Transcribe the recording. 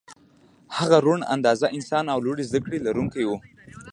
هغه روڼ انده انسان او لوړې زدکړې لرونکی و